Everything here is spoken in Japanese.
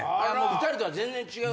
２人とは全然違うわけだ。